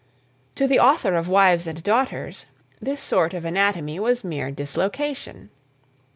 To the author of Wives and Daughters this sort of anatomy was mere dislocation.